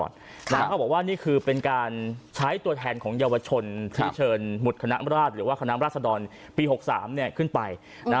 สี่ของก๋วข้องของ